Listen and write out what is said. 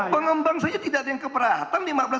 pengembang saja tidak ada yang keberatan